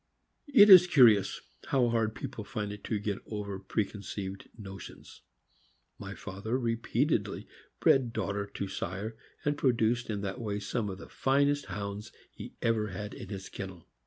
It is curious how hard people find it to get over precon ceived notions. My father repeatedly bred daughter to sire, and produced in that way some of the finest Hounds he ever had in his kennel.